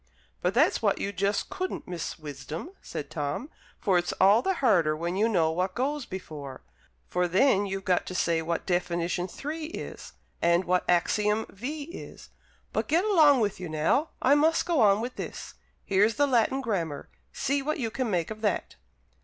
"But that's what you just couldn't, Miss Wisdom," said Tom. "For it's all the harder when you know what goes before; for then you've got to say what definition 3 is, and what axiom V is. But get along with you now; I must go on with this. Here's the Latin Grammar. See what you can make of that."